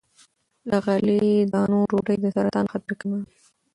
له غلې- دانو ډوډۍ د سرطان خطر کموي.